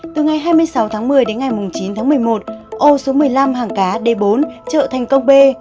từ ngày hai mươi sáu tháng một mươi đến ngày chín tháng một mươi một ô số một mươi năm hàng cá d bốn chợ thành công b